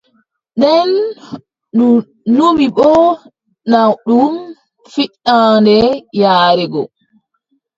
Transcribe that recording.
Nden ndu numi boo naawɗum fiɗaande yaare go.